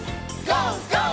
ＧＯ！